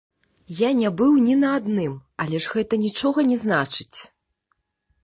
Я не быў ні на адным, але ж гэта нічога не значыць.